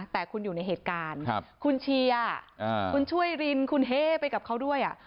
แต่คุณอยู่ในเหตุการณ์คุณเชียร์คุณช่วยรินคุณเฮ้ไปกับเขาด้วย